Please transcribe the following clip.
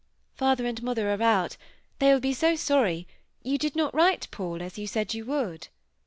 "Father and mother are out. They will be so sorry; you did not write, Paul, as you said you would."